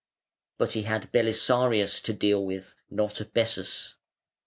But he had Belisarius to deal with, not Bessas.